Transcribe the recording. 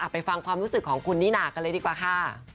ไปฟังความรู้สึกของคุณนิน่ากันเลยดีกว่าค่ะ